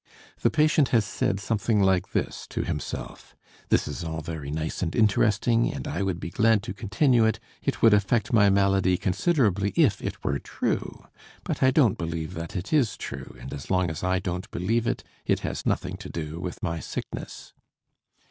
The patient has said something like this to himself: "This is all very nice and interesting. And I would be glad to continue it. It would affect my malady considerably if it were true. But I don't believe that it is true and as long as I don't believe it, it has nothing to do with my sickness."